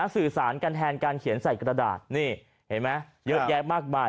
สื่อสารกันแทนการเขียนใส่กระดาษนี่เห็นไหมเยอะแยะมากมาย